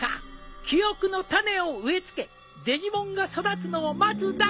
記憶の種を植え付けデジモンが育つのを待つだけだぎゃ。